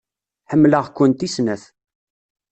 Ḥemmleɣ-kent i snat.